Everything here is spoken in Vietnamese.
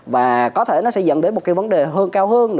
và có thể nó sẽ dẫn đến một cái vấn đề hơn cao hơn